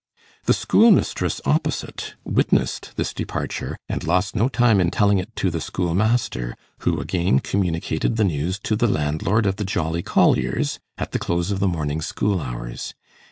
The schoolmistress opposite witnessed this departure, and lost no time in telling it to the schoolmaster, who again communicated the news to the landlord of 'The Jolly Colliers', at the close of the morning school hours.